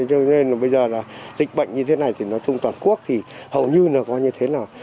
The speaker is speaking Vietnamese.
cho nên là bây giờ là dịch bệnh như thế này thì nói chung toàn quốc thì hầu như là có như thế là